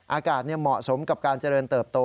อากาศเหมาะสมกับการเจริญเติบโต